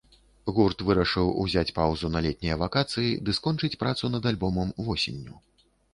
Гурт вырашыў узяць паўзу на летнія вакацыі ды скончыць працу над альбомам восенню.